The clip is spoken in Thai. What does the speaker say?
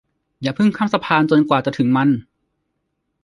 อย่าพึ่งข้ามสะพานจนกว่าจะถึงมัน